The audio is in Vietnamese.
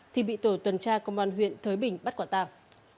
thì bị tổ tuần tra công an huyện thới bình bắt quả tàng